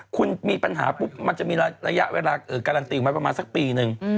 คุณมีปัญหาปุ๊บมันจะมีระยะเวลาการันตีออกมาประมาณสักปีนึง